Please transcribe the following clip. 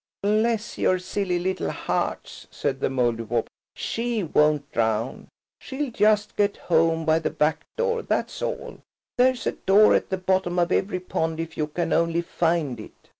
"Bless your silly little hearts," said the Mouldiwarp, "she won't drown. She'll just get home by the back door, that's all. There's a door at the bottom of every pond, if you can only find it."